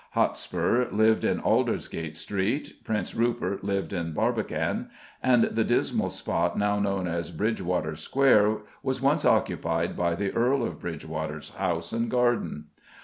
Hotspur lived in Aldersgate Street, Prince Rupert lived in Barbican, and the dismal spot now known as Bridgewater Square was once occupied by the Earl of Bridgewater's house and garden.